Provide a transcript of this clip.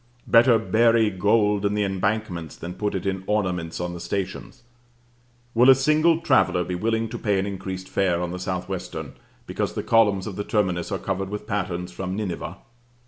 Better bury gold in the embankments, than put it in ornaments on the stations. Will a single traveller be willing to pay an increased fare on the South Western, because the columns of the terminus are covered with patterns from Nineveh?